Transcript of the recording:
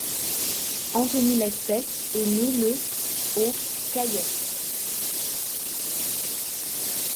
Anthony Lespès est né le aux Cayes.